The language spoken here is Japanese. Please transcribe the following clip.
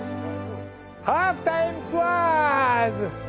『ハーフタイムツアーズ』！